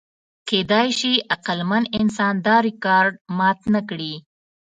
کېدی شي عقلمن انسان دا ریکارډ مات نهکړي.